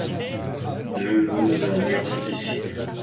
Nous nous en irons d’ici.